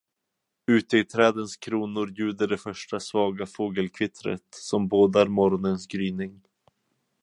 Ute i trädens kronor ljuder det första svaga fågelkvittret, som bådar morgonens gryning.